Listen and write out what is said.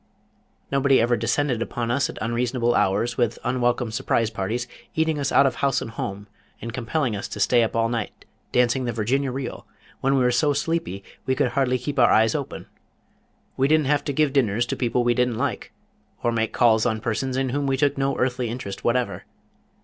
Nobody ever descended upon us at unreasonable hours with unwelcome Surprise Parties eating us out of house and home and compelling us to stay up all night dancing the Virginia Reel when we were so sleepy we could hardly keep our eyes open. We didn't have to give dinners to people we didn't like, or make calls on persons in whom we took no earthly interest whatever.